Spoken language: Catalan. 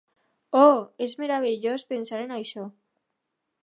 Oh, és meravellós pensar en això.